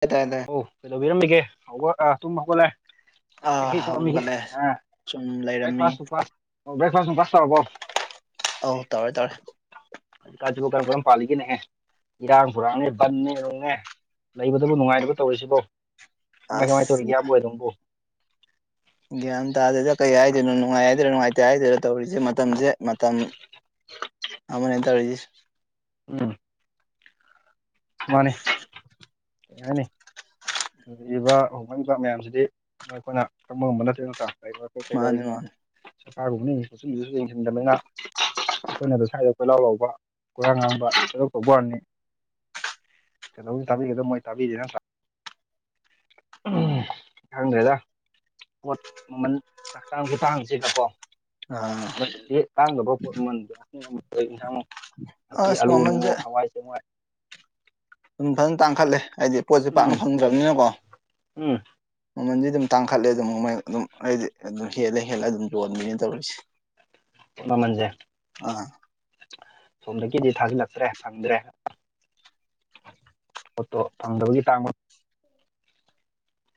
ꯀꯗꯥꯏꯗ ꯑꯧ ꯀꯩꯗꯧꯕꯤꯔꯝꯃꯤꯒꯦ ꯇꯨꯝ ꯍꯧꯒꯠꯂꯦ ꯑꯥ ꯀꯔꯤ ꯇꯧꯔꯝꯃꯤꯒꯦ ꯍꯧꯒꯠꯂꯦ ꯁꯨꯝ ꯂꯩꯔꯝꯃꯤ ꯕꯔꯦꯛꯐꯥꯁ ꯇꯧꯔꯕꯣ ꯑꯧ ꯇꯧꯔꯦ ꯇꯧꯔꯦ ꯂꯩꯀꯥꯏꯁꯤꯕꯨ ꯀꯔꯝ ꯀꯔꯝ ꯄꯥꯜꯂꯤꯒꯦꯅꯦꯍꯦ ꯏꯔꯥꯡ ꯐꯨꯔꯥꯡꯅꯦ ꯕꯟꯅꯦ ꯀꯩꯅꯦ ꯂꯩꯕꯗꯕꯨ ꯅꯨꯡꯉꯥꯏꯔꯤꯕ ꯇꯧꯔꯤꯁꯤꯕꯣ ꯀꯃꯥꯏ ꯀꯃꯥꯏ ꯑꯁ ꯇꯧꯔꯤꯒꯦꯕ ꯑꯣꯏ ꯑꯗꯨꯝꯕꯣ ꯒ꯭ꯌꯥꯟ ꯇꯥꯗꯦꯗ ꯀꯩ ꯍꯥꯏꯗꯣꯏꯅꯣ ꯅꯨꯡꯉꯥꯏ ꯍꯥꯏꯗꯣꯏꯔꯥ ꯅꯨꯡꯉꯥꯏꯇꯦ ꯍꯥꯏꯗꯣꯏꯔꯥ ꯇꯧꯔꯤꯁꯦ ꯃꯇꯝꯁꯦ ꯃꯇꯝ ꯑꯃꯅꯦꯟ ꯇꯔꯔꯤ ꯎꯝ ꯃꯥꯅꯦ ꯌꯥꯅꯤ ꯑꯗꯨ ꯏꯕ ꯍꯣꯡꯂꯛꯏꯕ ꯃꯌꯥꯝꯁꯤꯗꯤ ꯑꯩꯈꯣꯏꯅ ꯈꯪꯕ ꯉꯝꯕ ꯅꯠꯇꯦ ꯅꯠꯇ꯭ꯔꯥ ꯀꯔꯤ ꯑꯩꯣꯏ ꯃꯥꯅꯤ ꯀꯩꯗꯧꯔꯤꯅꯤ ꯍꯥꯏ ꯃꯥꯅꯤ ꯁꯔꯀꯥꯔꯒꯨꯝꯕꯅ ꯁꯣꯠꯆꯟꯗꯨꯁꯨ ꯌꯦꯡꯁꯤꯟꯗꯕꯅꯤꯅ ꯑꯩꯈꯣꯏꯅꯗ ꯁ꯭ꯋꯥꯏꯗ ꯀꯣꯏꯂꯥꯎ ꯂꯥꯎꯧꯕ ꯀꯣꯏꯔꯥꯡ ꯉꯥꯡꯕ ꯁꯣꯏꯗꯣꯛ ꯇꯧꯕ ꯋꯥꯔꯅꯤ ꯇꯥꯕꯤꯒꯗꯣ ꯃꯣꯏ ꯇꯥꯕꯤꯔꯤꯦ ꯎꯝ ꯍꯪꯗ ꯄꯣꯠ ꯃꯃꯜ ꯆꯛꯆꯥꯡ ꯈꯨꯇꯥꯡꯁꯤꯒꯀꯣ ꯑꯥ ꯇꯥꯡꯒ ꯄꯣꯠ ꯃ ꯑꯄꯤ ꯑꯁ ꯑꯂꯨ ꯃꯃꯜꯁꯦ ꯅꯨꯡꯉꯨ ꯍꯋꯥꯏ ꯆꯦꯡꯋꯥꯏ ꯑꯗꯨꯝ ꯐꯖꯅ ꯇꯥꯡꯈꯠꯂꯦ ꯍꯥꯏꯗꯤ ꯄꯣꯠꯁꯦ ꯄꯥꯛꯅ ꯎꯝ ꯐꯪꯗ꯭ꯔꯕꯅꯤꯅꯀꯣ ꯎꯝ ꯃꯃꯟꯗꯤ ꯑꯗꯨꯝ ꯇꯥꯡꯈꯠꯂꯦ ꯑꯗꯨꯝ ꯃꯃꯩ ꯑꯗꯨꯝ ꯑꯩꯗꯤ ꯑꯗꯨꯝ ꯍꯦꯜꯂ ꯍꯦꯜꯂ ꯑꯗꯨꯝ ꯌꯣꯟꯕꯅꯤ ꯇꯧꯔꯤꯁꯦ ꯃꯃꯜꯁꯦ ꯑꯥ ꯁꯣꯝꯗꯒꯤꯗꯤ ꯊꯥꯖꯤꯜꯂꯛꯇ꯭ꯔꯦ ꯐꯪꯗ꯭ꯔꯦ ꯍꯣꯠꯇꯣ ꯐꯪꯗꯕꯒꯤ ꯇꯥꯡꯕ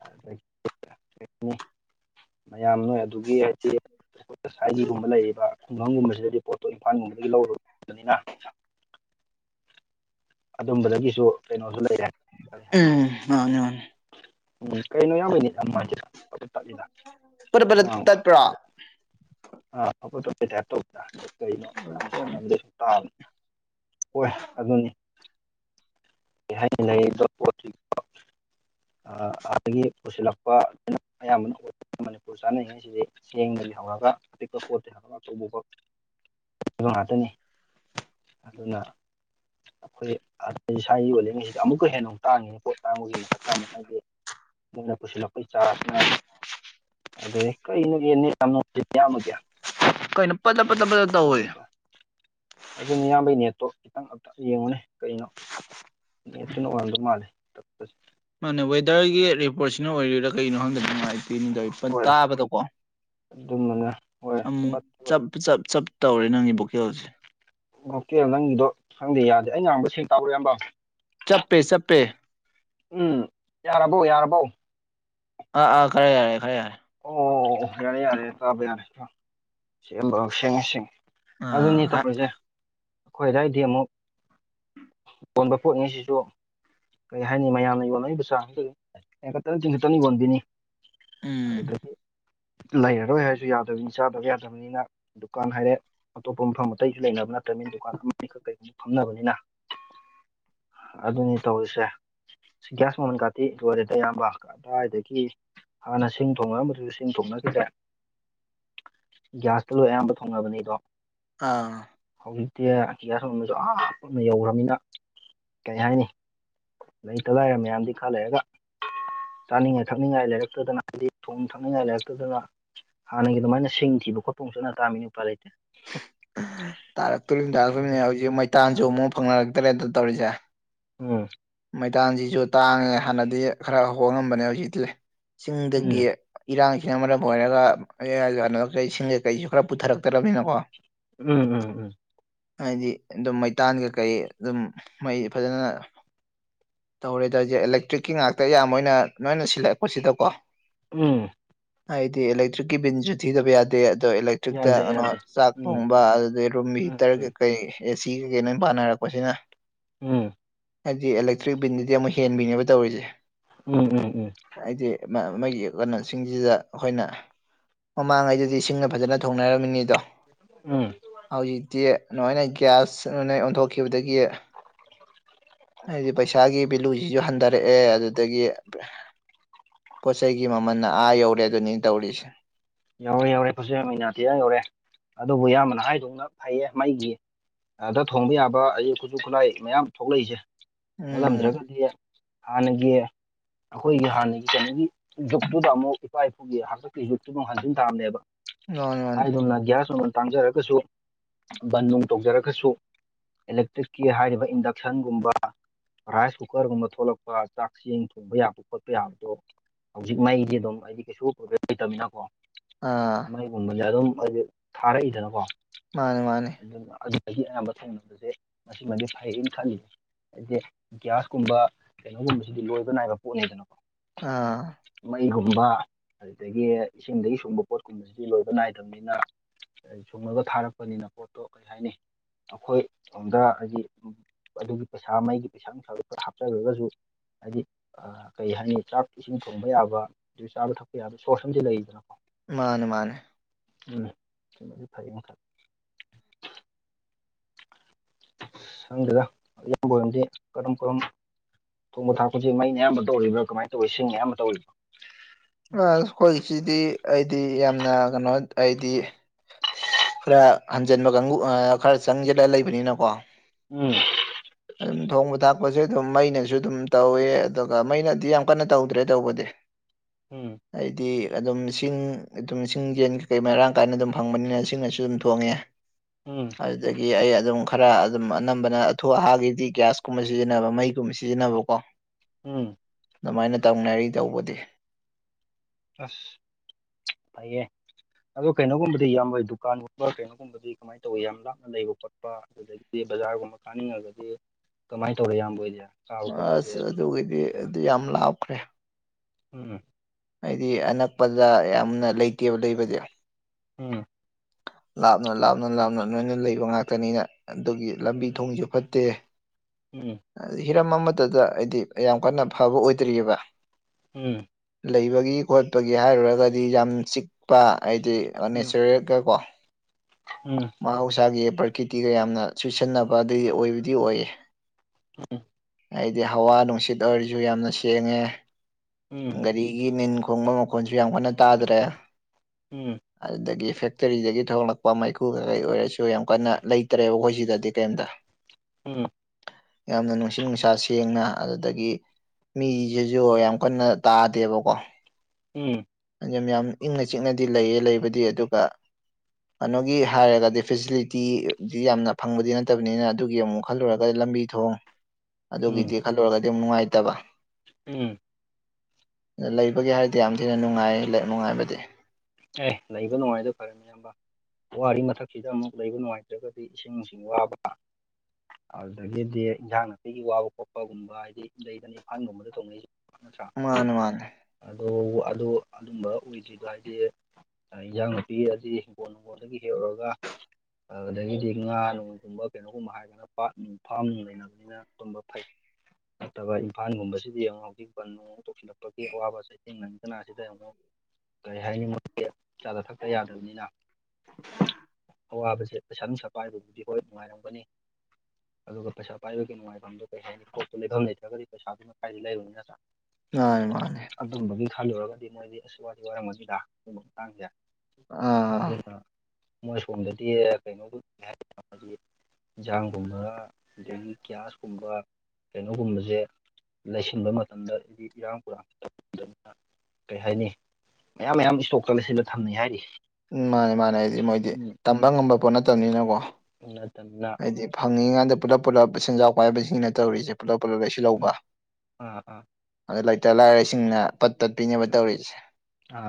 ꯑꯗꯒꯤ ꯃꯌꯥꯝ ꯅꯣꯏ ꯑꯗꯨꯒꯤ ꯍꯥꯏꯗꯤ ꯁꯥꯏꯒꯤꯒꯨꯝꯕ ꯂꯩꯔꯤꯕ ꯈꯨꯡꯒꯪꯒꯨꯝꯕꯁꯤꯗꯗꯤ ꯄꯣꯠꯇꯣ ꯏꯝꯐꯥꯜꯒꯨꯝꯕꯗꯒꯤ ꯂꯧꯔꯕꯅꯤꯅ ꯑꯗꯨꯝꯕꯗꯒꯤꯁꯨ ꯀꯩꯅꯣꯁꯨ ꯂꯩꯔꯦ ꯀꯔꯤ ꯍꯥꯏꯅꯤ ꯎꯝ ꯍꯅꯦꯉꯅꯤ ꯎꯝ ꯀꯩꯅꯣ ꯌꯥꯝꯕꯩꯅꯤ ꯌꯥꯝꯁꯤꯗ ꯇꯠꯂꯤꯗ ꯄꯨꯔꯄꯔ ꯇꯠꯄ꯭ꯔꯥ ꯑꯈ ꯇ ꯄꯦ ꯇ ꯇ ꯁꯃꯝꯗ ꯄꯝ ꯍꯣꯏ ꯑꯗꯨꯅꯤ ꯍ ꯂꯩꯗ ꯄꯣ ꯑꯗꯒꯤ ꯄꯨꯁꯤꯜꯂꯛꯄ ꯀꯩꯅ ꯑꯌꯥꯝꯕꯅ ꯑꯣꯏ ꯃꯅꯤꯄꯨꯔ ꯆꯥꯅꯉꯩꯁꯤꯗꯤ ꯆꯦꯡꯗ ꯂꯩꯍꯧꯔꯒ ꯑꯄꯤꯛꯄ ꯄꯣꯠꯇ ꯍꯧꯔꯒ ꯇꯧꯕꯐ ꯕ ꯉꯥꯛꯇꯅꯤ ꯑꯗꯨꯅ ꯑꯩꯈꯣꯏ ꯑꯥꯔꯇꯤꯁ ꯏꯁꯥꯏ ꯌꯣꯜꯂꯤꯉꯩꯁꯤꯗ ꯑꯃꯛꯀ ꯍꯦꯟꯅꯨꯛ ꯇꯉꯤ ꯄꯣꯠ ꯇꯥꯡꯕꯒꯤ ꯃꯊꯛꯇ ꯆ ꯍꯥꯏꯗꯤ ꯃꯟꯅ ꯄꯨꯁꯤꯜꯂꯛꯄꯩ ꯆꯥꯔꯥꯁꯅꯦ ꯑꯗꯨꯗꯤ ꯀꯩꯅꯣꯒꯦꯅꯦ ꯌꯥꯝꯌꯥꯝꯕꯒꯦ ꯀꯈꯣꯏꯩꯅꯣ ꯄ ꯄ ꯑꯗꯨ ꯏꯌꯥꯝꯕꯒꯤ ꯅꯦꯠꯇ ꯈꯤꯇꯪ ꯑꯝꯇ ꯌꯦꯡꯉꯨꯅꯦ ꯀꯩꯅꯣ [unintelligible] ꯅ ꯑꯗꯨꯅ ꯋꯥꯗ ꯃꯥꯂꯦ ꯃꯥꯅꯦ ꯋꯦꯗꯔꯒꯤ ꯔꯤꯄꯣꯔꯠꯁꯤꯅ ꯑꯣꯏꯔꯤꯣꯏꯔꯥ ꯀꯩꯅꯣ ꯍꯪꯗꯅ ꯅꯨꯡꯉꯥꯏꯁꯦ ꯇꯤꯟꯗ ꯍꯣꯏ ꯇꯥꯕꯗꯀꯣ ꯑꯗꯨꯝꯕꯅ ꯍꯣꯏ ꯑꯃꯨꯛ ꯆꯞ ꯆꯞ ꯆꯞ ꯇꯧꯔꯦ ꯅꯪꯒꯤ ꯕꯣꯀꯦꯜꯁꯦ ꯂꯣꯇꯦꯜ ꯅꯪꯒꯤꯗꯣ ꯈꯪꯗꯦ ꯌꯥꯗꯦ ꯑꯩ ꯉꯥꯡꯕ ꯁꯦꯛ ꯇꯥꯎꯔꯦꯕꯣ ꯆꯞꯄꯦ ꯆꯞꯄꯦ ꯎꯝ ꯌꯥꯔꯕꯣ ꯌꯥꯔꯕꯣ ꯑꯥ ꯑꯥ ꯈꯔ ꯌꯥꯔꯦ ꯈꯔꯦ ꯌꯥꯔꯦ ꯑꯣ ꯑꯣ ꯌꯥꯔꯦ ꯌꯥꯔꯦ ꯇꯥꯕ ꯌꯥꯔꯦꯕ ꯁꯦꯡ ꯁꯦꯡ ꯑꯗꯨꯅꯤ ꯑꯥ ꯇꯧꯔꯤꯁꯦ ꯑꯩꯈꯣꯏꯗꯥꯋꯥꯏꯗꯤ ꯑꯃꯨꯛ ꯌꯣꯟꯕ ꯄꯣꯠꯅꯤꯁꯤꯁꯨ ꯀꯩ ꯍꯥꯏꯅꯤ ꯃꯌꯥꯝꯅ ꯌꯣꯟꯂꯏꯕ ꯆꯥ ꯍ ꯈꯠꯇꯅ ꯆꯤꯟꯈꯠꯇꯅ ꯌꯣꯟꯕꯤꯅꯤ ꯎꯝ ꯑꯗꯨꯗꯒꯤ ꯂꯩꯔꯔꯣꯏ ꯍꯥꯏꯔꯁꯨ ꯌꯥꯗꯕꯅꯤ ꯆꯥꯗꯕ ꯌꯥꯗꯕꯅꯤꯅ ꯗꯨꯀꯥꯟ ꯍꯥꯏꯔꯦ ꯑꯇꯣꯞꯄ ꯃꯐꯝ ꯑꯇꯩꯒ ꯂꯩꯅꯕꯅ ꯇꯃꯤꯟ ꯗꯨꯀꯥꯟ ꯑꯃꯈꯛ ꯀꯩꯒꯨꯝ ꯐꯝꯅꯕꯅꯤꯅ ꯑꯗꯨꯅꯤ ꯇꯧꯔꯤꯁꯦ ꯒ꯭ꯌꯥꯁ ꯃꯃꯜ ꯀꯥꯇꯤ ꯇꯣꯏꯂꯦꯠꯇ ꯑꯌꯥꯝꯕ ꯑꯗꯨꯋꯥꯏꯗꯒꯤ ꯍꯥꯟꯅ ꯁꯤꯡ ꯊꯣꯉ ꯃꯇꯝꯗꯨꯗ ꯁꯤꯡ ꯊꯣꯡꯅꯕꯈꯤꯗ ꯒ꯭ꯌꯥꯁꯇ ꯂꯣꯏ ꯑꯌꯥꯝꯕ ꯊꯣꯡꯅꯕꯅꯤꯗꯣ ꯑꯥ ꯍꯧꯖꯤꯛꯇꯤꯇꯤꯌꯥꯁꯣꯟ ꯑꯃꯁꯁꯨ ꯑꯞꯅ ꯌꯧꯈ꯭ꯔꯅꯤꯅ ꯀꯔꯤ ꯍꯥꯏꯅꯤ ꯂꯩꯇ ꯂꯥꯏꯔ ꯃꯌꯥꯝꯗꯤ ꯈꯜꯂꯛꯔꯒ ꯆꯥꯅꯤꯡꯉꯥꯏ ꯊꯛꯅꯤꯡꯉꯥꯏ ꯂꯩꯔꯛꯇꯗꯅ ꯍꯥꯏꯗꯤ ꯊꯣꯡ ꯊꯛꯅꯤꯡꯉꯥꯏ ꯂꯩꯔꯛꯇꯗꯅ ꯍꯥꯟꯅꯒꯤ ꯑꯗꯨꯃꯥꯏꯅ ꯁꯤꯡ ꯊꯤꯕ ꯈꯣꯠꯄꯛꯠꯅ ꯇꯥꯝꯃꯤ ꯅꯨꯄꯥ ꯂꯩꯇ ꯇꯥꯔꯛꯇꯣꯝ ꯇꯥꯔꯛꯛꯇꯕꯅꯦ ꯑꯗꯨꯗ ꯍꯧꯖꯤꯛ ꯃꯩꯇꯥꯟꯁꯨ ꯑꯃꯨꯛ ꯐꯪꯅꯔꯛꯇ꯭ꯔꯦꯗ ꯇꯧꯔꯤꯁꯦ ꯎꯝ ꯃꯩꯇꯥꯟꯁꯤꯁꯨ ꯇꯥꯡꯉꯦ ꯍꯥꯟꯅꯗꯤ ꯈꯔ ꯍꯣꯡꯉꯝꯕꯅꯦ ꯍꯧꯖꯤꯛꯇꯤ ꯎꯝ ꯆꯤꯡꯗꯒꯤ ꯏꯔꯥꯡꯁꯤꯅ ꯃꯔꯝ ꯑꯣꯏꯔꯒ ꯑꯩꯖ ꯏꯁꯤꯡꯒ ꯀꯔꯤꯁꯨ ꯈꯔ ꯄꯨꯊꯔꯛꯇ꯭ꯔꯕꯅꯤꯅꯀꯣ ꯎꯝ ꯎꯝ ꯎꯝ ꯍꯥꯏꯗꯤ ꯑꯗꯨꯝ ꯃꯩꯇꯥꯟ ꯀꯩ ꯀꯩ ꯑꯗꯨꯝ ꯃꯩ ꯐꯖꯅ ꯇꯧꯔꯦꯗꯁꯦ ꯑꯦꯂꯦꯛꯇ꯭ꯔꯤꯛꯀꯤ ꯉꯥꯛꯇ ꯌꯥꯝꯌꯥꯝꯕꯅ ꯅꯣꯏꯅ ꯁꯤꯜꯂꯛꯄꯁꯤꯗꯀꯣ ꯎꯝ ꯍꯥꯏꯗꯤ ꯑꯦꯂꯦꯛꯇ꯭ꯔꯤꯛꯀꯤ ꯕꯤꯟꯁꯨ ꯊꯤꯗꯕ ꯌꯥꯗꯦ ꯑꯗꯣ ꯍꯇ꯭ꯔꯤꯛꯇ ꯌꯥꯗꯦ ꯀꯩꯅꯣ ꯌꯥꯗꯦ ꯆꯥꯛ ꯎꯝ ꯊꯣꯡꯕ ꯑꯗꯨꯗꯒꯤꯩ ꯔꯨꯝ ꯎꯝ ꯍꯤꯇꯔ ꯎꯝ ꯀꯩꯀꯩ ꯑꯦꯁꯤ ꯀꯩꯀꯅꯣꯏ ꯄꯥꯟꯅꯔꯛꯄꯁꯤꯅ ꯎꯝ ꯁꯤꯗꯤ ꯑꯦꯂꯦꯛꯇ꯭ꯔꯤꯛ ꯕꯤꯟꯗꯗꯤ ꯑꯃꯨꯛ ꯍꯦꯟꯕꯤꯅꯦꯕ ꯇꯧꯔꯤꯁꯦ ꯎꯝ ꯎꯝ ꯎꯝ ꯍꯥꯏꯗꯤ ꯃꯣꯏꯒꯤ ꯀꯩꯅꯣꯁꯤꯡꯁꯤꯗ ꯑꯩꯈꯣꯏꯅ ꯃꯃꯥꯡꯉꯩꯗꯗꯤ ꯏꯁꯤꯡꯅ ꯐꯖꯅ ꯊꯣꯡꯅꯔꯝꯃꯤꯅꯤꯗꯣ ꯎꯝ ꯍꯧꯖꯤꯛꯇꯤ ꯅꯥꯏꯅ ꯒ꯭ꯌꯥꯁꯅ ꯑꯣꯟꯊꯣꯛꯈꯤꯕꯗꯒꯤ ꯍꯥꯏꯗꯤ ꯄꯩꯁꯥꯒꯤ ꯚꯤꯂꯨꯁꯤꯁꯨ ꯍꯟꯊꯔꯛꯑꯦ ꯑꯗꯨꯗꯒꯤ ꯄꯣꯠ ꯆꯩꯒꯤ ꯃꯃꯜꯅ ꯑꯥ ꯌꯧꯔꯦ ꯑꯗꯨꯅꯤꯅ ꯇꯧꯔꯤꯁꯦ ꯌꯧꯔꯦ ꯌꯧꯔꯦ ꯐꯁ ꯃꯅꯥ ꯇꯤꯌꯥ ꯌꯧꯔꯛꯦ ꯑꯗꯨꯕꯨ ꯌꯥꯝꯕꯅ ꯍꯥꯏꯗꯣꯛꯅ ꯐꯩꯌꯦ ꯃꯩꯒꯤ ꯑꯗ ꯊꯣꯡꯕ ꯌꯥꯕ ꯑꯩ ꯈꯨꯠꯁꯨ ꯈꯨꯠꯂꯥꯏ ꯃꯌꯥꯝ ꯊꯣꯛꯂꯛꯏꯁꯦ ꯎꯝ ꯅꯠꯂꯝꯗ꯭ꯔꯒꯗꯤ ꯍꯥꯟꯅꯒꯤ ꯑꯩꯈꯣꯏꯒꯤ ꯍꯥꯟꯅꯒꯤ ꯀꯩꯅꯣꯒꯤ ꯖꯨꯛꯇꯨꯗ ꯑꯃꯨꯛ ꯏꯄꯥ ꯏꯄꯨꯒꯤ ꯍꯥꯛꯇꯛꯀꯤꯁꯨ ꯁꯤꯐꯝ ꯍꯟꯖꯤꯟ ꯇꯥꯕꯅꯦꯕ ꯃꯥꯅꯤ ꯃꯥꯅꯤ ꯍꯥꯏꯗꯨꯅ ꯒ꯭ꯌꯥꯁ ꯃꯃꯥꯜ ꯇꯥꯡꯖꯔꯒꯁꯨ ꯕꯟ ꯅꯨꯡ ꯇꯧꯖꯔꯒꯁꯨ ꯑꯦꯂꯦꯛꯇ꯭ꯔꯤꯛꯀꯤ ꯍꯥꯏꯔꯤꯕ ꯏꯟꯗꯛꯁꯟꯒꯨꯝꯕ ꯔꯥꯏꯁ ꯀꯨꯀꯔꯒꯨꯝꯕ ꯊꯣꯛꯂꯛꯄ ꯆꯥꯛ ꯆꯦꯡ ꯊꯣꯡꯕ ꯌꯥꯕ ꯈꯣꯠꯄ ꯌꯥꯕꯗꯣ ꯍꯧꯖꯤꯛ ꯃꯩꯖ ꯑꯗꯨꯝ ꯍꯥꯏꯗꯤ ꯀꯩꯁꯨ ꯄ꯭ꯔ‌ꯣꯕ꯭ꯂ‌ꯦꯝ ꯂꯩꯇꯃꯤꯅ ꯑꯥ ꯃꯩꯒꯨꯝꯕꯁꯤ ꯑꯗꯨꯝ ꯍꯥꯏꯗꯤ ꯊꯥꯔꯛꯏꯗꯅꯀꯣ ꯃꯥꯅꯦ-ꯃꯥꯅꯦ ꯑꯗꯨ ꯑꯗꯨꯗꯒꯤ ꯑꯌꯥꯝꯕ ꯊꯧꯗꯨꯁꯦ ꯃꯁꯤꯃꯗꯤ ꯐꯩꯅ ꯈꯜꯂꯤꯅꯦ ꯑꯩꯁꯦ ꯒ꯭ꯌꯥꯁꯀꯨꯝꯕ ꯀꯩꯅꯣꯒꯨꯝꯕꯁꯤꯗꯤ ꯂꯣꯏꯕ ꯅꯥꯏꯕ ꯄꯣꯠꯅꯤꯗꯅꯀꯣ ꯑꯥ ꯃꯩꯒꯨꯝꯕ ꯑꯗꯨꯗꯒꯤ ꯏꯁꯤꯡꯗꯒꯤ ꯁꯨꯡꯕ ꯄꯣꯠꯀꯨꯝꯕꯁꯤ ꯂꯣꯏꯕ ꯅꯥꯏꯗꯕꯅꯤꯅ ꯁꯨꯡꯉꯒ ꯊꯥꯔꯛꯄꯅꯤꯅ ꯄꯣꯠꯇꯣ ꯀꯔꯤ ꯍꯥꯏꯅꯤ ꯑꯩꯈꯣꯏ ꯑꯣꯝꯗ ꯍꯥꯏꯗꯤ ꯑꯗꯨꯒꯤ ꯄꯩꯁꯥ ꯃꯩꯒꯤ ꯄꯩꯁꯥ ꯅꯨꯡꯁꯥꯗꯨ ꯈꯔ ꯍꯥꯞꯆꯈ꯭ꯔꯒꯁꯨ ꯍꯥꯏꯗꯤ ꯀꯩ ꯍꯥꯏꯅꯤ ꯆꯥꯛ ꯏꯁꯤꯡ ꯊꯣꯡꯕ ꯌꯥꯕ ꯑꯗꯨ ꯆꯥꯕ ꯊꯛꯄ ꯌꯥꯕ ꯁꯣꯔꯁ ꯑꯃꯁ ꯂꯩꯗꯅꯀꯣ ꯃꯥꯅꯦ ꯃꯥꯅꯦ ꯎꯝ ꯐꯥꯏ ꯈ [inaudible] ꯁꯪꯗꯦꯗ ꯑꯌꯥꯝꯕꯝꯗꯤ ꯀꯔꯝ ꯀꯔꯝ ꯊꯣꯡꯕ ꯊꯥꯛꯄꯁꯤ ꯃꯩꯅ ꯑꯌꯥꯝꯕ ꯇꯧꯔꯤꯕ꯭ꯔꯥ ꯀꯃꯥꯏꯅ ꯇꯧꯋꯤ ꯁꯤꯡ ꯑꯌꯥꯝꯕ ꯇꯧꯔꯤꯕꯥ ꯑꯩꯈꯣꯏꯁꯤꯗꯤ ꯑꯩꯗꯤ ꯌꯥꯝꯅ ꯀꯩꯅꯣ ꯑꯩꯗꯤ ꯈꯔ ꯍꯟꯖꯤꯟꯕ ꯀꯥꯡꯕꯨ ꯈꯔ ꯆꯪꯒꯦꯂ ꯂꯩꯕꯅꯤꯅꯀꯣ ꯎꯝ ꯑꯗꯨꯝ ꯊꯣꯡꯕ ꯊꯥꯛꯄꯁꯦ ꯑꯗꯨꯝ ꯃꯩꯅꯁꯨ ꯑꯗꯨꯝ ꯇꯧꯋꯦ ꯑꯗꯨꯒ ꯃꯩꯅꯗꯤ ꯌꯥꯝ ꯀꯟꯅ ꯇꯧꯗ꯭ꯔꯦ ꯇꯧꯕꯗꯤ [inaudible] ꯎꯝ ꯍꯥꯏꯗꯤ ꯑꯗꯨꯝ ꯁꯤꯡ ꯑꯗꯨꯝ ꯁꯤꯡ ꯌꯦꯟ ꯀꯩ-ꯀꯩ ꯃꯔꯥꯡ ꯀꯥꯏꯅ ꯑꯗꯨꯝ ꯐꯪꯕꯅꯤꯅ ꯁꯤꯡꯅꯁꯨ ꯑꯗꯨꯝ ꯊꯣꯡꯉꯦ [inaudible] ꯎꯝ ꯑꯗꯨꯗꯒꯤ ꯑꯩ ꯑꯗꯨꯝ ꯈꯔ ꯑꯗꯨꯝ ꯑꯅꯝꯕꯅ ꯑꯊꯨ ꯑꯍꯥ ꯑꯩꯗꯤ ꯒ꯭ꯌꯥꯁ ꯀꯨꯝꯕ ꯁꯤꯖꯤꯟꯅꯕ ꯃꯩꯒꯨꯝꯕ ꯁꯤꯖꯤꯟꯅꯕꯀꯣ ꯎꯝ ꯑꯗꯨꯃꯥꯏꯅ ꯇꯧꯅꯔꯤ ꯇꯧꯕꯗꯤ ꯑꯁ ꯐꯩꯌꯦ ꯑꯗꯣ ꯀꯩꯅꯣꯒꯨꯝꯕꯗꯤ ꯏꯌꯥꯝꯕ ꯗꯨꯀꯥꯟꯒꯨꯝꯕ ꯀꯩꯅꯣꯒꯨꯝꯕꯗꯤ ꯀꯃꯥꯏꯅ ꯇꯧꯋꯤ ꯌꯥꯝ ꯂꯥꯞꯅ ꯂꯩꯕ ꯈꯣꯠꯄ ꯑꯗꯨꯗꯤ ꯕꯖꯥꯔꯒꯨꯝꯕ ꯀꯥꯅꯤꯡꯉꯒꯗꯤ ꯀꯃꯥꯏꯅ ꯇꯧꯔꯦ ꯏꯌꯥꯝꯍ‌ꯣꯏꯗꯤ ꯑꯁ ꯑꯗꯨꯒꯤꯗꯤ ꯑꯗꯨ ꯌꯥꯝ ꯂꯥꯞꯈ꯭ꯔꯦ ꯎꯝ ꯍꯥꯏꯗꯤ ꯑꯅꯛꯄꯗ ꯌꯥꯝꯅ ꯂꯩꯇꯦꯕ ꯂꯩꯕꯗꯤ ꯎꯝ ꯂꯥꯞꯅ ꯂꯥꯞꯅ ꯂꯥꯞꯅ ꯂꯣꯏꯅ ꯂꯩꯕ ꯉꯥꯛꯇꯅꯤꯅ ꯑꯗꯨꯒꯤ ꯂꯝꯕꯤ ꯊꯣꯡꯁꯨ ꯐꯠꯇꯦ ꯎꯝ ꯍꯤꯔꯝ ꯑꯃꯠꯇꯗ ꯍꯥꯏꯗꯤ ꯌꯥꯝ ꯀꯟꯅ ꯐꯕ ꯑꯣꯏꯗ꯭ꯔꯤꯕ ꯎꯝ ꯂꯩꯕꯒꯤ ꯈꯣꯠꯄꯒꯤ ꯍꯥꯏꯔꯨꯔꯒꯗꯤ ꯌꯥꯝ ꯆꯤꯛꯄ ꯍꯥꯏꯗꯤ ꯅꯦꯆꯔꯦꯜꯒ ꯀꯣ ꯎꯝ ꯃꯍꯧꯁꯥꯒꯤ ꯄ꯭ꯔꯀꯤꯇꯤꯒ ꯌꯥꯝꯅ ꯆꯨꯁꯟꯅꯕ ꯑꯗꯨ ꯑꯣꯏꯕꯗꯤ ꯑꯣꯏꯌꯦ ꯎꯝ ꯍꯥꯏꯗꯤ ꯍꯋꯥ ꯅꯨꯡꯁꯤꯠ ꯑꯣꯏꯔꯁꯨ ꯌꯥꯝꯅ ꯁꯦꯡꯉꯦ ꯒꯥꯔꯤꯒꯤ ꯅꯤꯟ ꯈꯣꯡꯕ ꯃꯈꯣꯟꯁꯨ ꯌꯥꯝ ꯀꯟꯅ ꯇꯥꯗ꯭ꯔꯦ ꯎꯝ ꯑꯗꯨꯗꯒꯤ ꯐ‌ꯦꯛꯇꯔꯤꯗꯒꯤ ꯊꯣꯛꯂꯛꯄ ꯃꯩꯏꯈꯨ ꯀꯩ-ꯀꯩ ꯑꯣꯏꯔꯁꯨ ꯌꯥꯝ ꯀꯟꯅ ꯂꯩꯇ꯭ꯔꯦꯕ ꯑꯩꯈꯣꯏ ꯁꯤꯗꯗꯤ ꯀꯦꯝꯇ ꯎꯝ ꯌꯥꯝꯅ ꯅꯨꯡꯁꯤꯠ ꯅꯨꯡꯁꯥ ꯁꯦꯡꯅ ꯑꯗꯨꯗꯒꯤ ꯃꯤꯖꯤꯖꯨ ꯌꯥꯝ ꯀꯟꯅ ꯇꯥꯗꯦꯕꯀꯣ ꯎꯝ ꯌꯥꯝ ꯏꯪꯅ ꯆꯤꯛꯅꯗꯤ ꯂꯩꯌꯦ ꯂꯩꯕꯗꯤ ꯑꯗꯨꯒ ꯀꯩꯅꯣꯒꯤ ꯍꯥꯏꯔꯒꯗꯤ ꯐꯦꯁꯤꯂꯤꯇꯤꯗꯤ ꯌꯥꯝꯅ ꯐꯪꯕꯗꯤ ꯅꯠꯇꯕꯅꯤꯅ ꯑꯗꯨꯒꯤ ꯑꯃꯨꯛ ꯈꯜꯂꯨꯔꯒꯗꯤ ꯂꯝꯕꯤ ꯊꯣꯡ ꯑꯗꯨꯒꯤꯗꯤ ꯈꯜꯂꯨꯔꯒꯗꯤ ꯑꯃꯨꯛ ꯅꯨꯡꯉꯥꯏꯇꯕ ꯎꯝ ꯂꯩꯕꯒꯤ ꯍꯥꯏꯔꯗꯤ ꯌꯥꯝ ꯊꯤꯅ ꯅꯨꯡꯉꯥꯏ ꯅꯨꯡꯉꯥꯏꯕꯗꯤ ꯑꯦ ꯂꯩꯕ ꯅꯨꯡꯉꯥꯏꯗꯣ ꯐꯔꯦ ꯏꯌꯥꯝꯕ ꯋꯥꯔꯤ ꯃꯊꯛꯁꯤꯗ ꯑꯃꯨꯛ ꯂꯩꯕ ꯅꯨꯡꯉꯥꯏꯇ꯭ꯔꯒꯗꯤ ꯏꯁꯤꯡ- ꯃꯥꯏꯁꯤꯡ ꯋꯥꯕ ꯑꯗꯨꯗꯒꯤꯗꯤ ꯏꯟꯖꯥꯡ ꯅꯥꯄꯤꯒꯤ ꯋꯥꯕ ꯈꯣꯠꯄꯒꯨꯝꯕ ꯍꯥꯏꯗꯤ ꯂꯩꯗꯅ ꯏꯝꯐꯥꯜꯒꯨꯝꯕꯗ ꯇꯧꯅꯩꯖ ꯃꯥꯅ‌ꯦ-ꯃꯥꯅ‌ꯦ ꯑꯗꯣ ꯑꯗꯨ ꯑꯗꯨꯝꯕ ꯑꯣꯏꯗ꯭ꯔꯤꯕ ꯍꯥꯏꯗꯤ ꯏꯟꯖꯥꯡ ꯅꯥꯄꯤ ꯑꯁꯤ ꯍꯤꯡꯒꯣꯜ ꯅꯨꯡꯒꯣꯜꯗꯒꯤ ꯍꯦꯛꯎꯨꯔꯒ ꯑꯗꯒꯤꯗꯤ ꯉꯥ ꯅꯨꯡꯒꯨꯝꯕ ꯀꯩꯅꯣꯒꯨꯝꯕ ꯍꯥꯏꯔꯒꯅ ꯄꯥꯠ ꯅꯨꯡ ꯐꯥꯝ ꯅꯨꯡ ꯂꯩꯅꯕꯅꯤ ꯇꯨꯝ ꯐꯩ ꯅꯠꯇꯕ ꯏꯝꯐꯥꯜꯒꯨꯝꯕꯁꯤꯗꯤ ꯌꯦꯡꯉꯨ ꯍꯧꯖꯤꯛ ꯕꯟ ꯅꯨꯡ ꯇꯧꯁꯤꯜꯂꯛꯄꯒꯤ ꯑꯋꯥꯕ ꯆꯩꯊꯦꯡ ꯅꯪꯉꯤꯉꯩ ꯑꯁꯤꯗ ꯑꯃꯨꯛ ꯀꯔꯤ ꯍꯥꯏꯅꯤ ꯆꯥꯗ ꯊꯛꯇ ꯌꯥꯗꯕꯅꯤꯅ ꯑꯋꯥꯕꯁꯦ ꯄꯩꯁꯥ ꯅꯨꯡꯁꯥ ꯄꯥꯏꯕꯕꯨꯗꯤ ꯍꯣꯏ ꯅꯨꯡꯉꯥꯏꯔꯝꯒꯅꯤ ꯑꯗꯨꯒ ꯄꯩꯁꯥ ꯄꯥꯏꯕꯒꯤꯅꯨꯡꯉꯥꯏꯐꯝꯗꯣ ꯀꯩ ꯍꯥꯏꯅꯤ ꯄꯣꯠꯇꯨ ꯂꯩꯐꯝ ꯂꯩꯇ꯭ꯔꯒꯗꯤ ꯄꯩꯁꯥꯗꯨ ꯀꯥꯏꯗꯩ ꯂꯩꯥꯔꯨꯅꯤ ꯅꯠꯇ꯭ꯔ ꯃꯥꯅꯦ -ꯃꯥꯅꯦ ꯑꯗꯨꯝꯕꯒꯤ ꯈꯜꯂꯨꯔꯒꯗꯤ ꯃꯣꯏꯗꯤ ꯑꯁ ꯋꯥꯗꯤ ꯋꯥꯔꯝꯒꯅꯤꯗ ꯍꯟꯗꯛ ꯃꯇꯥꯡꯖꯦ ꯑꯥ ꯑꯗꯨꯅ ꯃꯣꯏ ꯁꯣꯝꯗꯗꯤ ꯀꯩꯅꯣꯒ ꯍꯥꯏꯗꯤ ꯏꯟꯖꯥꯡꯒꯨꯝꯕ ꯑꯗꯒꯤ ꯒ꯭ꯌꯥꯁ ꯀꯨꯝꯕ ꯀꯩꯅꯣꯒꯨꯝꯕꯁꯦ ꯂꯩꯁꯤꯟꯕ ꯃꯇꯝꯗ ꯑꯩꯗꯤ ꯏꯔꯥꯡ ꯄꯨꯨꯔꯥꯡꯗꯕꯅꯤꯅ ꯀꯩ ꯍꯥꯏꯅꯤ ꯃꯌꯥꯝ -ꯃꯌꯥꯝ ꯏꯁꯇꯣꯛꯇꯒ ꯂꯩꯁꯤꯜꯂꯒ ꯊꯝꯅꯩ ꯍꯥꯏꯔꯤ ꯎꯝ ꯃꯥꯅꯦ- ꯃꯥꯅꯦ ꯍꯥꯏꯗꯤ ꯃꯣꯏꯗꯤ ꯇꯝꯕ ꯉꯝꯕ ꯄꯣꯠ ꯅꯠꯇꯕꯅꯤꯅꯀꯣ ꯅꯠꯇꯕꯅꯤꯅ ꯍꯥꯏꯗꯤ ꯐꯪꯉꯤꯉꯀꯥꯟꯗ ꯄꯨꯂꯞ- ꯄꯨꯜꯂꯞ ꯁꯦꯟꯖꯥꯎ ꯄꯥꯏꯕꯁꯤꯡꯅ ꯇꯧꯔꯤꯁꯦ ꯄꯨꯂꯞ- ꯄꯨꯂꯞ ꯂꯩꯁꯤꯜꯍꯧꯕ ꯎꯝ ꯑꯥ ꯑꯥ ꯑꯗ ꯂꯩꯇ ꯂꯥꯏꯔꯁꯤꯡꯅ ꯄꯠ ꯇꯠꯄꯤꯅꯦꯕ ꯇꯧꯔꯤꯁꯦ ꯑ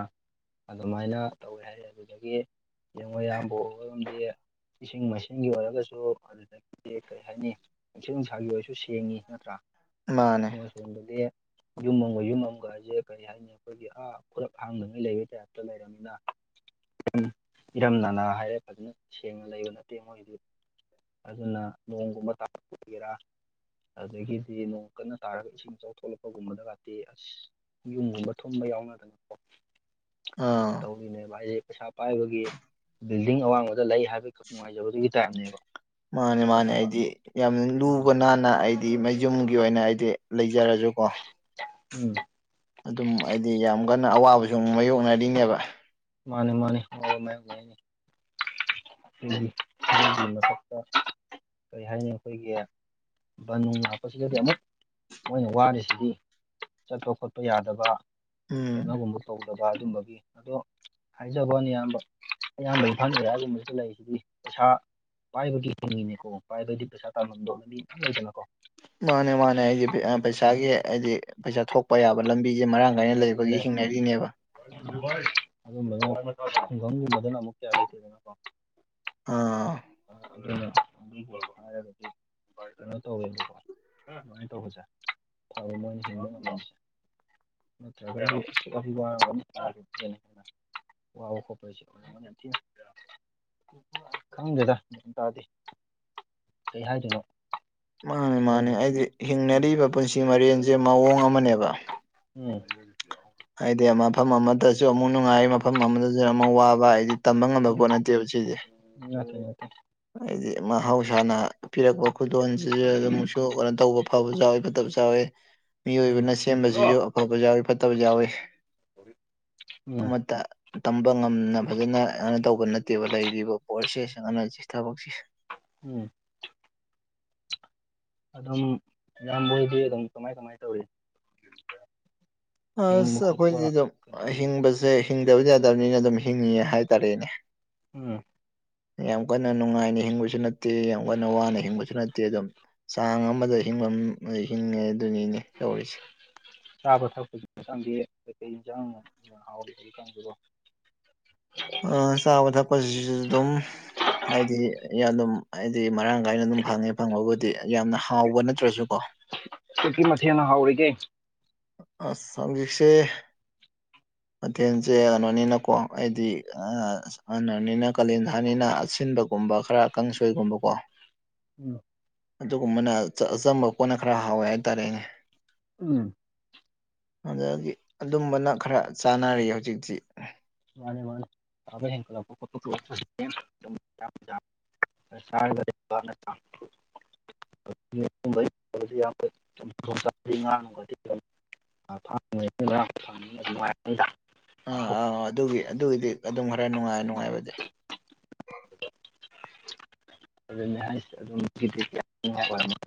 ꯑꯗꯨꯃꯥꯏꯅ ꯇꯧꯋꯦ ꯍꯥꯏ ꯑꯗꯨꯗꯒꯤ ꯌꯦꯡꯉꯣ ꯑꯌꯥꯝꯕ ꯍꯣꯏꯔꯣꯝꯗꯤ ꯏꯁꯤꯡ ꯃꯥꯏꯁꯤꯡꯒꯤ ꯑꯣꯏꯔꯒꯁꯨ ꯑꯗꯒꯤꯗꯤ ꯀꯩ ꯍꯥꯏꯅꯤ ꯅꯨꯡꯁꯤꯠ- ꯅꯨꯡꯁꯥꯒꯤ ꯑꯣꯏꯁꯨ ꯁꯦꯡꯉꯤ ꯅꯠꯇ꯭ꯔꯥ ꯃꯥꯅꯦ ꯑꯁꯣꯝꯗꯗꯤ ꯌꯨꯝ ꯑꯃꯒ- ꯌꯨꯝ ꯑꯃꯒ ꯍꯥꯏꯖꯦ ꯀꯔꯤ ꯍꯥꯏꯅꯤ ꯑꯩꯈꯣꯏꯒꯤ ꯑ ꯈꯨꯔꯞ ꯍꯥꯡꯗꯉꯩ ꯂꯩꯕꯩ ꯇꯥꯏꯞꯇ ꯂꯩꯔꯕꯅꯤꯅ ꯏꯔꯝ ꯅꯂꯥ ꯍꯥꯏꯔꯦ ꯐꯖꯅ ꯁꯦꯡꯅ ꯂꯩꯕ ꯅꯠꯇꯦ ꯃꯣꯏꯒꯤꯗꯤ ꯑꯗꯨꯅ ꯅꯣꯡꯒꯨꯝꯕ ꯇꯥꯔꯛꯄꯗꯗꯤ ꯚꯦꯔꯥꯅꯦ ꯑꯗꯒꯤꯗꯤ ꯅꯣꯡ ꯀꯟꯅ ꯇꯥꯔꯒ ꯏꯁꯤꯡ ꯏꯆꯥꯎꯊꯣꯂꯛꯄꯒꯨꯝꯕꯗ ꯒꯇꯤ ꯑꯁ ꯌꯨꯝꯒꯨꯝꯕ ꯊꯨꯝꯕ ꯌꯥꯎꯅꯔꯦꯀꯣ ꯑ ꯇꯧꯔꯤꯅꯦꯕ ꯍꯩꯌꯦꯡ ꯄꯩꯁꯥ ꯄꯥꯏꯕꯒꯤ ꯕꯤꯜꯗꯤꯡ ꯑꯋꯥꯡꯕꯗ ꯂꯩ ꯍꯥꯏꯕꯒꯤ ꯅꯨꯡꯉꯥꯏꯖꯕꯗꯨꯒꯤ ꯇꯥꯏꯞꯅꯦꯕ ꯃꯥꯅꯦ ꯃꯥꯅꯦ ꯅꯠꯇꯕ ꯑꯩꯗꯤ ꯌꯥꯝꯅ ꯎꯝ ꯂꯨꯕ ꯅꯥꯟꯅ ꯑꯩꯗꯤ ꯗꯤ ꯃꯌꯨꯝꯒꯤ ꯑꯣꯏꯅ ꯑꯩꯗꯤ ꯂꯩꯖꯔꯁꯨꯀꯣ ꯎꯝ ꯑꯗꯨꯝ ꯍꯥꯏꯗꯤ ꯌꯥꯝ ꯀꯟꯅ ꯑꯋꯥꯕꯁꯨ ꯃꯥꯏꯌꯣꯛꯅꯔꯤꯅꯦꯕ ꯃꯥꯅꯦ ꯃꯥꯅꯦ ꯃꯥ ꯃꯥꯏꯌꯣꯛꯅꯩꯅꯤ ꯃꯊꯛꯇ ꯀꯔꯤ ꯍꯥꯏꯅꯤ ꯑꯩꯈꯣꯏꯒꯤ ꯕꯟ ꯍꯥꯞꯄꯁꯤꯗꯗꯤ ꯑꯃꯨꯛ ꯃꯣꯏꯅ ꯋꯥꯔꯤꯁꯤꯗꯤ ꯆꯠꯄ ꯈꯣꯠꯄ ꯌꯥꯗꯕ ꯎꯝ ꯀꯩꯅꯣꯒꯨꯝꯕ ꯇꯧ ꯖꯑꯗꯨꯝꯕꯒꯤ ꯑꯗꯣ ꯍꯥꯏꯖꯕꯅꯤ ꯏꯌꯥꯝꯕ ꯏꯌꯥꯝꯕꯒꯤ ꯂꯩꯔꯤꯁꯤꯗꯤ ꯄꯩꯁꯥ ꯄꯥꯏꯕꯒꯤ ꯍꯤꯡꯉꯤꯅꯦꯀꯣ ꯄꯥꯏꯕꯗꯤ ꯄꯩꯁꯥ ꯇꯥꯟꯐꯝꯗꯣꯅ ꯃꯤ ꯌꯥꯝ ꯂꯩꯗꯅꯀꯣ ꯃꯥꯅꯦ ꯃꯥꯅꯦ ꯑꯩꯗꯤ ꯑꯗꯨꯒ ꯄꯩꯁꯥꯒꯤ ꯍꯥꯏꯗꯤ ꯄꯩꯁꯥ ꯊꯣꯛꯄ ꯌꯥꯕ ꯂꯝꯕꯤꯁꯦ ꯃꯔꯥꯡ ꯀꯥꯏꯅ ꯂꯩꯕꯒꯤ ꯍꯤꯡꯅꯔꯤꯅꯦꯕ ꯪꯒꯤꯨꯝ ꯃꯗꯨꯅ ꯑꯃꯨꯛ ꯑꯗꯅꯀꯣ [inaudible] ꯑꯥ [inaudible] ꯀꯩꯅꯣ ꯇꯧꯋꯦꯃꯥꯏꯅ ꯇꯧꯕꯁꯦ [inaudible] ꯅꯠꯇ [inaudible] ꯋꯥꯕ ꯈꯣꯠꯄꯩꯁꯨ ꯌꯥꯝꯅ ꯊꯤꯅ [inaudible] ꯈꯪꯗꯦꯗ ꯒ꯭ꯌꯥꯟ ꯇꯥꯗꯦ ꯀꯩ ꯍꯥꯏꯗꯣꯏꯅꯣ ꯃꯥꯅꯦ- ꯃꯥꯅꯦ ꯑꯗꯨꯒꯨꯝꯕꯁꯦ ꯍꯥꯏꯗꯤ ꯎꯝ ꯍꯤꯡꯅꯔꯤꯕ ꯄꯨꯟꯁꯤ ꯃꯔꯦꯟꯁꯦ ꯃꯑꯣꯡ ꯑꯃꯅꯦꯕ ꯎꯝ ꯍꯥꯏꯗꯤ ꯃꯐꯝ ꯑꯃꯗꯁꯨ ꯑꯃꯨꯛ ꯅꯨꯡꯉꯥꯏ ꯃꯐꯝ ꯑꯃꯗꯁꯨ ꯑꯃꯨꯛ ꯋꯥꯕ ꯍꯥꯏꯗꯤ ꯇꯝꯕ ꯉꯝꯕ ꯄꯣꯠ ꯅꯠꯇꯦꯕ ꯁꯤꯗꯤ ꯉꯜꯂꯤ [inaudible] ꯍꯥꯏꯗꯤ ꯃꯍꯧꯁꯥꯅ ꯄꯤꯔꯛꯄ ꯈꯨꯗꯣꯟꯁꯤ ꯑꯗꯨꯝꯛꯁꯨ ꯀꯩꯅꯣ ꯇꯧꯕ ꯐꯕꯁꯨ ꯌꯥꯎꯏ ꯐꯠꯇꯕꯁꯨ ꯌꯥꯎꯋꯦ ꯎꯝ ꯃꯤꯑꯣꯏꯕꯅ ꯁꯦꯝꯕꯁꯤꯁꯨ ꯑꯐꯕ ꯌꯥꯎꯋꯤ ꯐꯠꯇꯕꯖꯨ ꯌꯥꯎꯋꯤ ꯎꯝ ꯑꯃꯠꯇ ꯇꯝꯕ ꯉꯝꯅ ꯐꯖꯅ ꯑꯅ ꯇꯧꯕ ꯅꯠꯇꯦꯕ ꯂꯩꯔꯤꯕ ꯄꯣꯠꯁꯦ ꯊꯕꯛꯁꯤ ꯎꯝ ꯑꯗꯨꯝ ꯏꯌꯥꯝꯕꯍ‌ꯣꯏꯗꯤ ꯑꯗꯨꯝ ꯀꯃꯥꯏ ꯀꯃꯥꯏ ꯇꯧꯔꯤ ꯍꯤꯡꯕ ꯑꯁ ꯈꯣꯠꯄ ꯑꯩꯈꯣꯏꯗꯤ ꯑꯗꯨꯝ ꯀꯩꯅꯣ ꯇꯧꯕꯒꯤ ꯍꯤꯡꯕꯁꯦ ꯍꯤꯡꯗꯕꯗꯤ ꯌꯥꯗꯕꯅꯤꯅ ꯑꯗꯨꯝ ꯍꯤꯡꯉꯤ ꯍꯥꯏꯇꯥꯔꯦꯅꯦ ꯎꯝ ꯌꯥꯝ ꯀꯟꯅ ꯅꯨꯡꯉꯥꯏꯅ ꯍꯤꯡꯕꯁꯨ ꯅꯠꯇꯦ ꯌꯥꯝ ꯀꯟꯅ ꯋꯥꯅ ꯍꯤꯡꯕꯁꯨ ꯅꯠꯇꯦ ꯑꯗꯨꯝ ꯆꯥꯡ ꯑꯃꯗ ꯍꯤꯡꯐꯝ ꯍꯤꯡꯉꯦ ꯑꯗꯨꯅꯤꯅꯦ ꯇꯧꯔꯤꯁꯦ ꯆꯥꯕ ꯊꯛꯄꯗꯤ ꯃꯇꯥꯡꯗꯤ ꯀ ꯀꯩ ꯌꯦꯟꯁꯥꯡ ꯍꯥꯎꯔꯤꯒ‌ꯦ ꯍꯧꯖꯤꯛꯀꯥꯟꯖꯤꯕ‌ꯣ ꯑ ꯆꯥꯕ ꯊꯛꯄꯁꯤꯁꯨ ꯑꯗꯨꯝ ꯍꯥꯏꯗꯤ ꯌꯥꯝꯅ ꯍꯥꯏꯗꯤ ꯃꯔꯥꯡ ꯀꯥꯏꯅ ꯑꯗꯨꯝ ꯐꯪꯉꯦ ꯐꯪꯕꯕꯨꯗꯤ ꯌꯥꯝꯅ ꯍꯥꯎꯕ ꯅꯠꯇ꯭ꯔꯁꯨ ꯀꯣ ꯀꯔꯤ ꯃꯊꯦꯜꯅ ꯍꯥꯎꯔꯤꯒꯦ ꯑꯁ ꯍꯧꯖꯤꯛꯁꯦ ꯃꯊꯦꯜꯁꯦ ꯀꯩꯅꯣꯅꯤꯅꯀꯣ ꯑꯩꯗꯤ ꯑꯁ ꯍꯥꯟꯅꯅꯤꯅ ꯀꯥꯂꯦꯟ ꯊꯥꯅꯤꯅ ꯑꯁꯤꯟꯕꯒꯨꯝꯕ ꯈꯔ ꯀꯥꯡꯁꯣꯏꯒꯨꯝꯕꯀꯣ ꯑꯝ ꯑꯗꯨꯒꯨꯝꯕꯅ ꯑꯆꯝꯕ ꯄꯣꯠꯅ ꯈꯔ ꯍꯥꯎꯋꯦ ꯍꯥꯏꯇꯥꯔꯦꯅꯦ ꯎꯝ ꯑꯗꯒꯤ ꯑꯗꯨꯝꯕꯅ ꯈꯔ ꯆꯥꯅꯔꯤ ꯍꯧꯖꯤꯛꯇꯤ ꯃꯥꯅ‌ꯦ ꯃꯥꯅ‌ꯦ ꯁꯥꯕ ꯍ‌ꯦꯟꯀꯠꯂꯛꯄ ꯈ‌ꯣꯠꯄ [inaudible] [inaudible] ꯌꯥꯝꯗꯤ ꯉꯥꯡ ꯅꯨꯡꯗꯤ [inaudible] ꯑꯥ ꯑꯥ ꯑꯗꯨꯒꯤ ꯑꯗꯨꯒꯤꯗꯤ ꯑꯗꯨꯝ ꯈꯔ ꯅꯨꯡꯉꯥꯏ ꯅꯨꯡꯉꯥꯏꯕꯗꯤ ꯑꯗꯨ ꯅꯍ ꯑꯗꯨ [inaudible]